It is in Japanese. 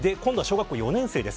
今度は小学校４年生です。